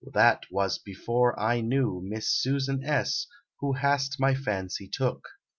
that wast before I knew Miss Susan S. who hast my fancy took.